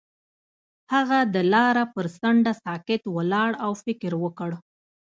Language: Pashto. هغه د لاره پر څنډه ساکت ولاړ او فکر وکړ.